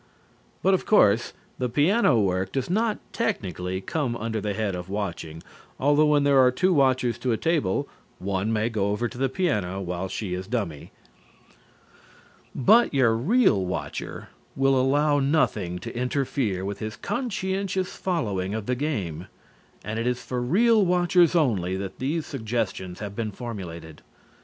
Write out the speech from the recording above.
But, of course, the piano work does not technically come under the head of watching, although when there are two watchers to a table, one may go over to the piano while she is dummy. But your real watcher will allow nothing to interfere with his conscientious following of the game, and it is for real watchers only that these suggestions have been formulated.